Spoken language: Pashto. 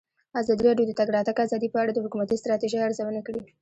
ازادي راډیو د د تګ راتګ ازادي په اړه د حکومتي ستراتیژۍ ارزونه کړې.